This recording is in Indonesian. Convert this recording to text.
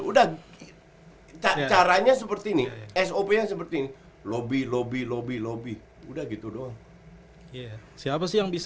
udah caranya seperti ini sop nya seperti ini lobby lobby lobby lobby udah gitu doang iya siapa sih yang bisa